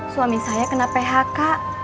suami saya kena phk